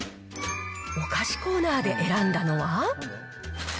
お菓子コーナーで選んだのは？